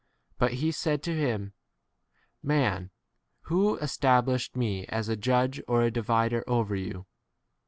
But he said to him, Man, who established me [as] a judge or a divider over you